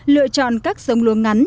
lựa chọn các giống lúa ngắn